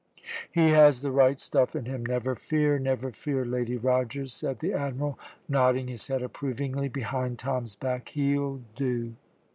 "He has the right stuff in him, never fear, never fear, Lady Rogers," said the Admiral, nodding his head approvingly behind Tom's back; "he'll do."